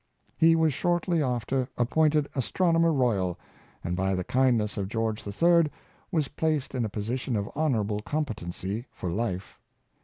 He was shortly after appointed Astronomer Royal, and by the kindness of George III. was placed in a position of honorable competency for life.